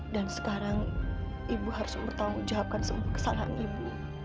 dan sekarang ibu harus bertanggung jawabkan semua kesalahan ibu